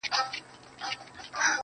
o تک سپين کالي کړيدي.